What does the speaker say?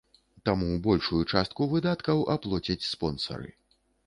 Таму большую частку выдаткаў аплоцяць спонсары.